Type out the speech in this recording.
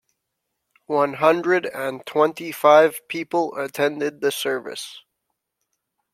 One hundred and twenty-five people attended the service.